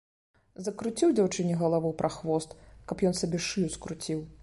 Закруціў дзяўчыне галаву прахвост, каб ён сабе шыю скруціў.